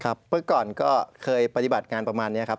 ครับเพิ่งก่อนก็เคยปฏิบัติการประมาณนี้ครับ